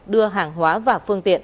đưa hàng hóa và phương tiện